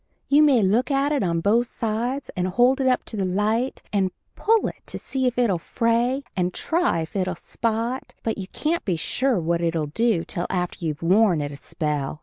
You may look at it on both sides and hold it up to the light, and pull it to see if it'll fray and try if it'll spot, but you can't be sure what it'll do till after you've worn it a spell.